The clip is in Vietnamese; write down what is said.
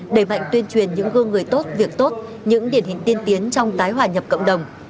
đẩy mạnh tuyên truyền những gương người tốt việc tốt những điển hình tiên tiến trong tái hòa nhập cộng đồng